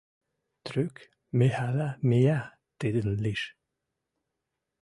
Трӱк Михӓлӓ миӓ тӹдӹн лиш.